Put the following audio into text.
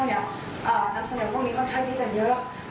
นักแสดงพวกนี้ค่อนข้างที่จะเยอะ